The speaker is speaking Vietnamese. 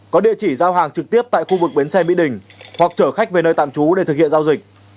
có địa chỉ giao hàng trực tiếp tại khu vực bến xe mỹ đình hoặc chở khách về nơi tạm trú để thực hiện giao dịch